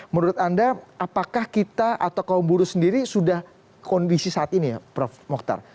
menurut anda apakah kita atau kaum buruh sendiri sudah kondisi saat ini ya prof mokhtar